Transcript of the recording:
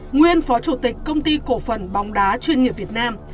nguyên phó chủ tịch công ty cổ phần bóng đá chuyên nghiệp việt nam